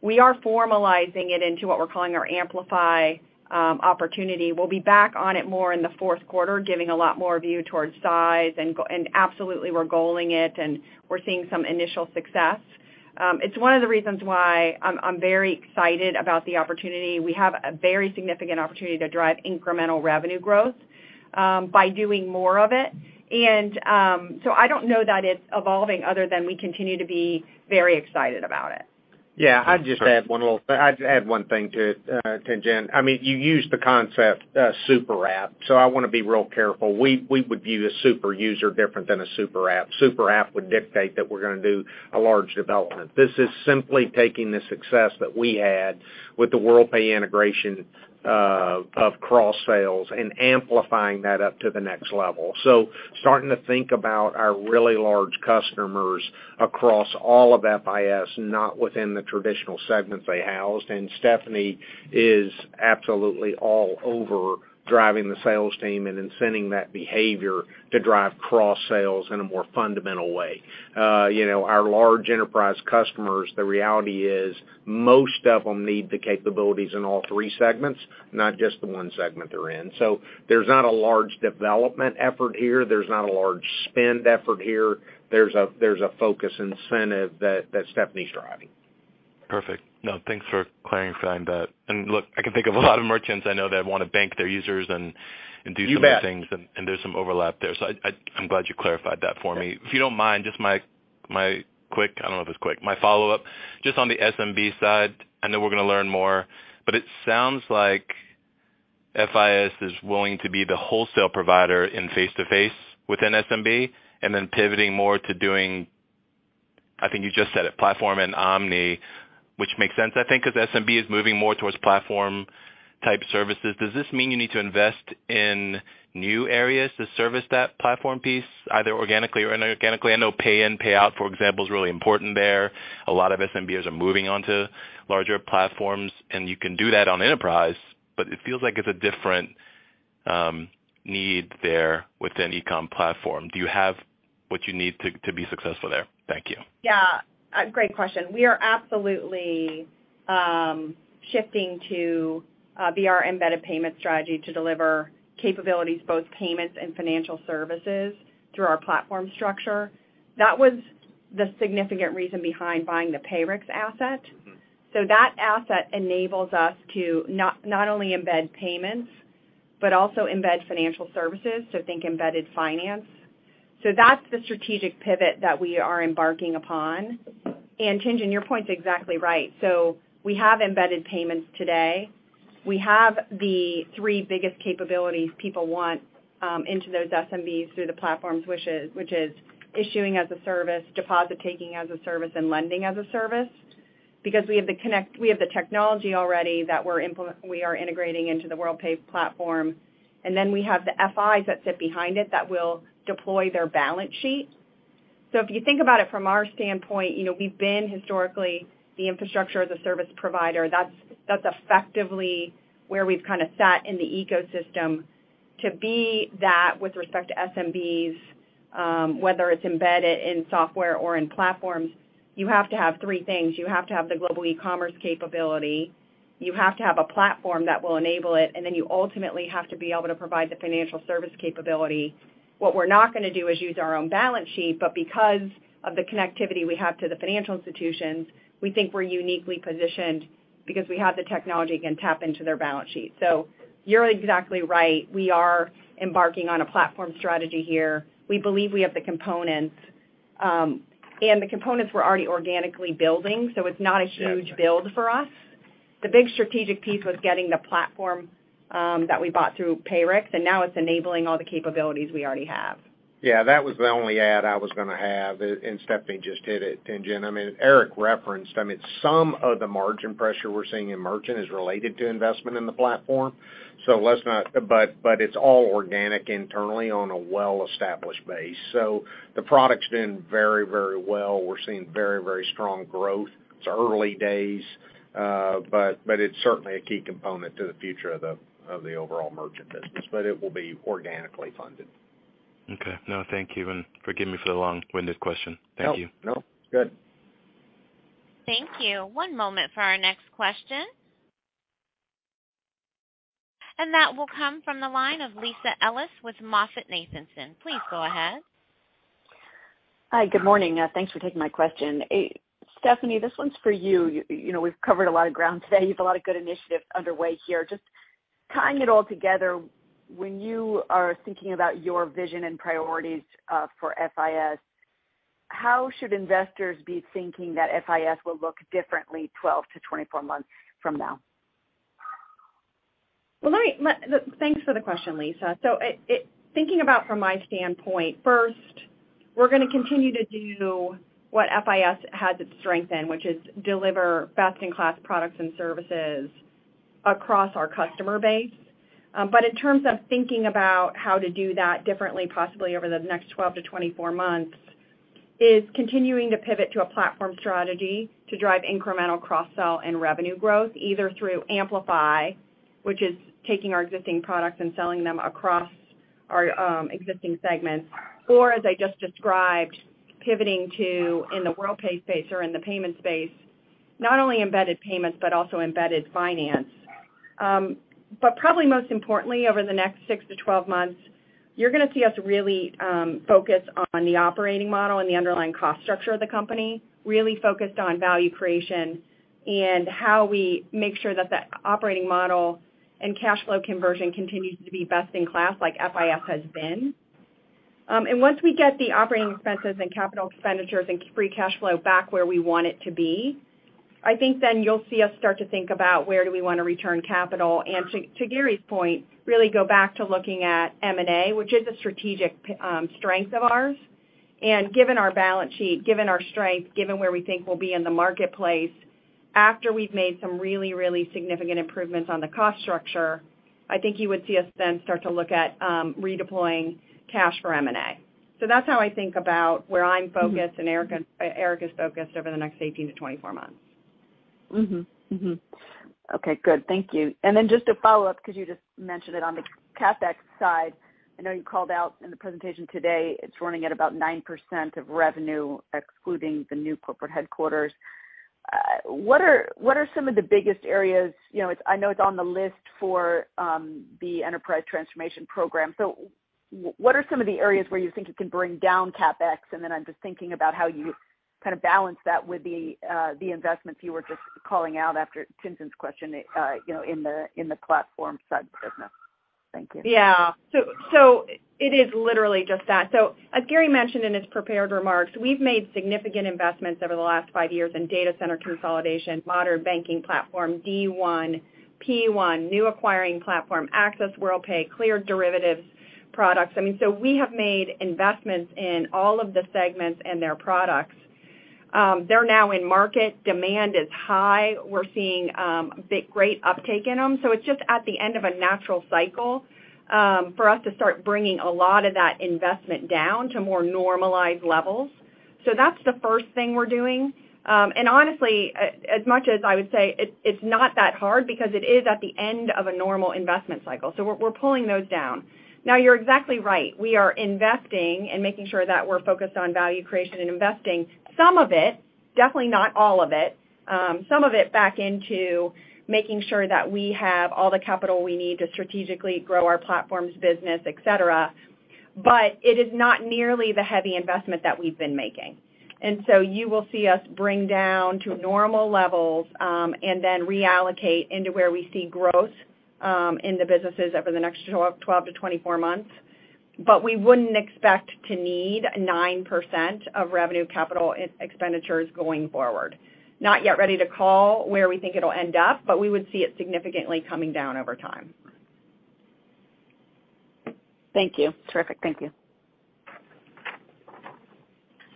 We are formalizing it into what we're calling our Amplify opportunity. We'll be back on it more in the fourth quarter, giving a lot more view towards size and absolutely, we're goaling it, and we're seeing some initial success. It's one of the reasons why I'm very excited about the opportunity. We have a very significant opportunity to drive incremental revenue growth by doing more of it. I don't know that it's evolving other than we continue to be very excited about it. I'd add one thing to Tien-Tsin. I mean, you used the concept super app, so I wanna be real careful. We would view a super user different than a super app. Super app would dictate that we're gonna do a large development. This is simply taking the success that we had with the Worldpay integration of cross-sales and amplifying that up to the next level. Starting to think about our really large customers across all of FIS, not within the traditional segments they housed. Stephanie is absolutely all over driving the sales team and inciting that behavior to drive cross sales in a more fundamental way. You know, our large enterprise customers, the reality is most of them need the capabilities in all three segments, not just the one segment they're in. There's not a large development effort here. There's not a large spend effort here. There's a focus incentive that Stephanie's driving. Perfect. No, thanks for clarifying that. Look, I can think of a lot of merchants I know that wanna bank their users and do- You bet. Some things, and there's some overlap there, so I'm glad you clarified that for me. If you don't mind, just my quick, I don't know if it's quick, my follow-up, just on the SMB side, I know we're gonna learn more, but it sounds like FIS is willing to be the wholesale provider in face-to-face within SMB and then pivoting more to doing, I think you just said it, platform and omni, which makes sense, I think, because SMB is moving more towards platform-type services. Does this mean you need to invest in new areas to service that platform piece, either organically or inorganically? I know pay-in, pay-out, for example, is really important there. A lot of SMBs are moving onto larger platforms, and you can do that on enterprise, but it feels like it's a different need there within e-com platform. Do you have what you need to be successful there? Thank you. Yeah. A great question. We are absolutely shifting to our embedded payments strategy to deliver capabilities, both payments and financial services, through our platform structure. That was the significant reason behind buying the Payrix asset. That asset enables us to not only embed payments, but also embed financial services, so think embedded finance. That's the strategic pivot that we are embarking upon. Tien-Tsin, your point's exactly right. We have embedded payments today. We have the three biggest capabilities people want into those SMBs through the platforms, which is issuing as a service, deposit-taking as a service and lending as a service. We have the technology already that we are integrating into the Worldpay platform. Then we have the FIS that sit behind it that will deploy their balance sheet. If you think about it from our standpoint, you know, we've been historically the infrastructure as a service provider. That's effectively where we've kind of sat in the ecosystem to be that with respect to SMBs, whether it's embedded in software or in platforms, you have to have three things. You have to have the global e-commerce capability, you have to have a platform that will enable it, and then you ultimately have to be able to provide the financial service capability. What we're not gonna do is use our own balance sheet, but because of the connectivity we have to the financial institutions, we think we're uniquely positioned because we have the technology, again, tap into their balance sheet. You're exactly right. We are embarking on a platform strategy here. We believe we have the components we're already organically building, so it's not a huge build for us. The big strategic piece was getting the platform, that we bought through Payrix, and now it's enabling all the capabilities we already have. Yeah, that was the only add I was gonna have, and Stephanie just hit it, Tien-Tsin. I mean, Erik referenced some of the margin pressure we're seeing in merchant is related to investment in the platform. It's all organic internally on a well-established base. The product's doing very, very strong growth. It's early days, but it's certainly a key component to the future of the overall merchant business. It will be organically funded. Okay. No, thank you, and forgive me for the long-winded question. Thank you. No, no. Good. Thank you. One moment for our next question. That will come from the line of Lisa Ellis with MoffettNathanson. Please go ahead. Hi. Good morning. Thanks for taking my question. Stephanie, this one's for you. You know, we've covered a lot of ground today. You have a lot of good initiatives underway here. Just tying it all together, when you are thinking about your vision and priorities, for FIS, how should investors be thinking that FIS will look differently 12-24 months from now? Thanks for the question, Lisa. Thinking about from my standpoint, first, we're gonna continue to do what FIS has its strength in, which is deliver best-in-class products and services across our customer base. In terms of thinking about how to do that differently, possibly over the next 12-24 months, is continuing to pivot to a platform strategy to drive incremental cross-sell and revenue growth, either through Amplify, which is taking our existing products and selling them across our existing segments, or as I just described, pivoting to in the Worldpay space or in the payment space, not only embedded payments, but also embedded finance. Probably most importantly, over the next 6-12 months, you're gonna see us really focus on the operating model and the underlying cost structure of the company, really focused on value creation and how we make sure that that operating model and cash flow conversion continues to be best in class like FIS has been. Once we get the operating expenses and capital expenditures and free cash flow back where we want it to be, I think then you'll see us start to think about where do we want to return capital, and to Gary's point, really go back to looking at M&A, which is a strategic strength of ours. Given our balance sheet, given our strength, given where we think we'll be in the marketplace after we've made some really, really significant improvements on the cost structure, I think you would see us then start to look at redeploying cash for M&A. That's how I think about where I'm focused and Erik is focused over the next 18-24 months. Okay. Good. Thank you. Then just a follow-up because you just mentioned it on the CapEx side. I know you called out in the presentation today, it's running at about 9% of revenue, excluding the new corporate headquarters. What are some of the biggest areas? You know, I know it's on the list for the enterprise transformation program. What are some of the areas where you think it can bring down CapEx? Then I'm just thinking about how you kind of balance that with the investments you were just calling out after Tien-Tsin's question, you know, in the, in the platform side of the business. Thank you. Yeah. It is literally just that. As Gary mentioned in his prepared remarks, we've made significant investments over the last five years in data center consolidation, modern banking platform, Digital One, Payments One, new acquiring platform, Access Worldpay, cleared derivatives products. I mean, we have made investments in all of the segments and their products. They're now in market. Demand is high. We're seeing great uptake in them. It's just at the end of a natural cycle for us to start bringing a lot of that investment down to more normalized levels. That's the first thing we're doing. Honestly, as much as I would say it's not that hard because it is at the end of a normal investment cycle. We're pulling those down. Now, you're exactly right. We are investing and making sure that we're focused on value creation and investing some of it. Definitely not all of it. Some of it back into making sure that we have all the capital we need to strategically grow our platforms, business, et cetera. It is not nearly the heavy investment that we've been making. You will see us bring down to normal levels, and then reallocate into where we see growth, in the businesses over the next 12-24 months. We wouldn't expect to need 9% of revenue capital expenditures going forward. Not yet ready to call where we think it'll end up, but we would see it significantly coming down over time. Thank you. Terrific. Thank you.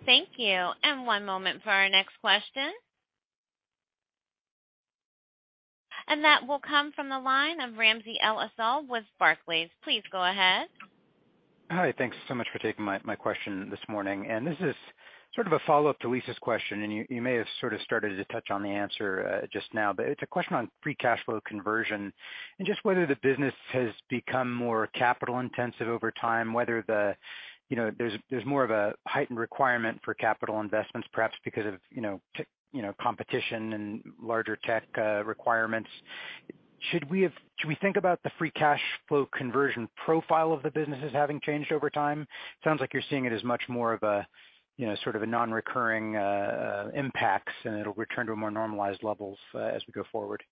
Thank you. One moment for our next question. That will come from the line of Ramsey El-Assal with Barclays. Please go ahead. Hi. Thanks so much for taking my question this morning. This is sort of a follow-up to Lisa's question, and you may have sort of started to touch on the answer just now. It's a question on free cash flow conversion and just whether the business has become more capital-intensive over time, whether the, you know, there's more of a heightened requirement for capital investments perhaps because of, you know, to, you know, competition and larger tech requirements. Should we think about the free cash flow conversion profile of the businesses having changed over time? Sounds like you're seeing it as much more of a, you know, sort of a non-recurring impacts and it'll return to a more normalized levels as we go forward.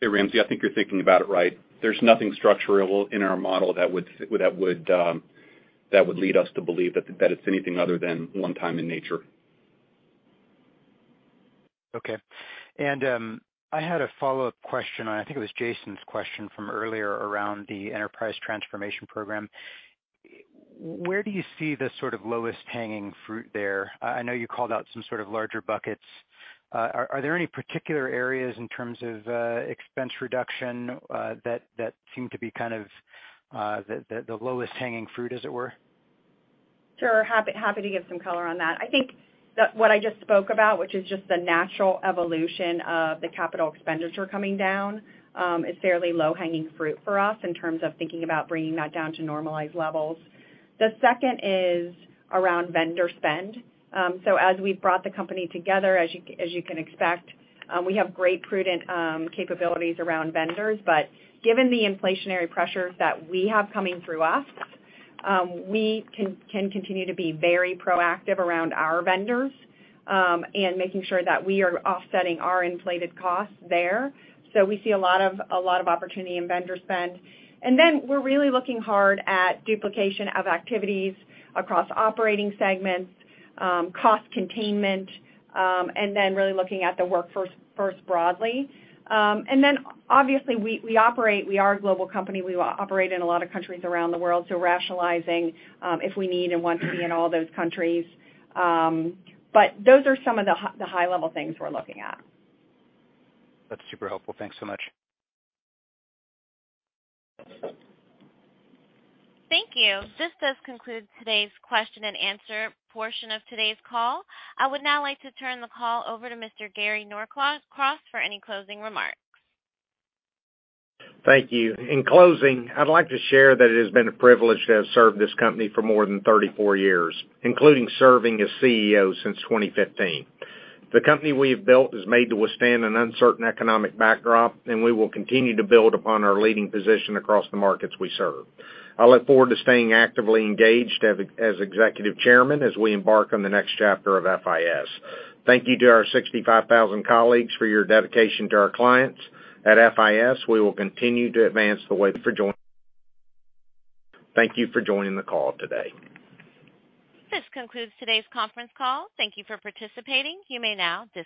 Hey, Ramsey. I think you're thinking about it right. There's nothing structural in our model that would lead us to believe that it's anything other than one time in nature. Okay. I had a follow-up question. I think it was Jason's question from earlier around the enterprise transformation program. Where do you see the sort of lowest hanging fruit there? I know you called out some sort of larger buckets. Are there any particular areas in terms of expense reduction that seem to be kind of the lowest hanging fruit, as it were? Sure. Happy to give some color on that. I think what I just spoke about, which is just the natural evolution of the capital expenditure coming down, is fairly low-hanging fruit for us in terms of thinking about bringing that down to normalized levels. The second is around vendor spend. As we've brought the company together, as you can expect, we have great prudent capabilities around vendors. But given the inflationary pressures that we have coming through us, we can continue to be very proactive around our vendors, in making sure that we are offsetting our inflated costs there. We see a lot of opportunity in vendor spend. We're really looking hard at duplication of activities across operating segments, cost containment, and then really looking at the workforce first broadly. Obviously, we operate, we are a global company. We operate in a lot of countries around the world, so rationalizing if we need and want to be in all those countries. Those are some of the high level things we're looking at. That's super helpful. Thanks so much. Thank you. This does conclude today's question and answer portion of today's call. I would now like to turn the call over to Mr. Gary Norcross for any closing remarks. Thank you. In closing, I'd like to share that it has been a privilege to have served this company for more than 34 years, including serving as CEO since 2015. The company we have built is made to withstand an uncertain economic backdrop, and we will continue to build upon our leading position across the markets we serve. I look forward to staying actively engaged as Executive Chairman as we embark on the next chapter of FIS. Thank you to our 65,000 colleagues for your dedication to our clients. At FIS, we will continue to advance the way forward. Thank you for joining the call today. This concludes today's conference call. Thank you for participating. You may now disconnect.